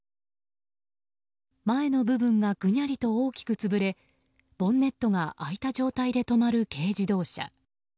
前の部分がぐにゃりと大きく潰れボンネットが開いた状態で止まる軽自動車。